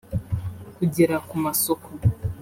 kugera ku masoko